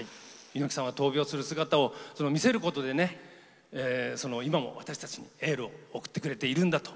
猪木さんは闘病する姿を見せることで今も私たちにエールを送ってくれているんだと思います。